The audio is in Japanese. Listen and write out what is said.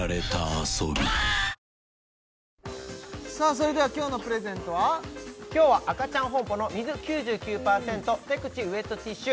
それでは今日のプレゼントは今日はアカチャンホンポの水９９％手口ウェットティッシュ